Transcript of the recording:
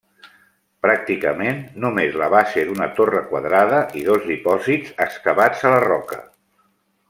Pràcticament només la base d'una torre quadrada i dos dipòsits excavats a la roca.